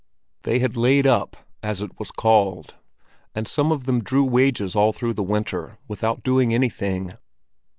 They had laid up, as it was called, and some of them drew wages all through the winter without doing anything.